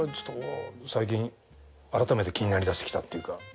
最近改めて気になりだしてきたっていうか。